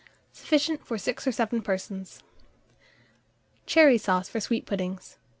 Sufficient for 6 or 7 persons. CHERRY SAUCE FOR SWEET PUDDINGS.